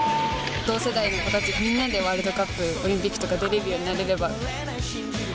同世代の人たちみんなでワールドカップ、オリンピック出られるようになれれば。